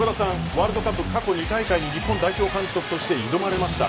ワールドカップ過去２大会、日本代表監督として挑まれました。